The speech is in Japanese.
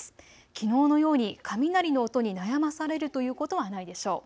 きのうのように雷の音に悩まされるということはないでしょう。